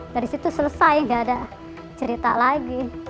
dari situ selesai gak ada cerita lagi